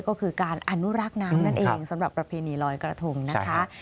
ก็คือการอนุรักษ์น้ำนั่นเองสำหรับประเพณีลอยกระทงนะคะ